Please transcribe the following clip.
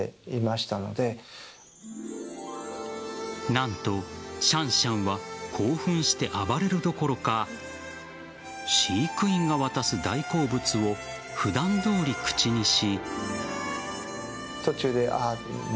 何と、シャンシャンは興奮して暴れるどころか飼育員が渡す大好物を普段どおり口にし。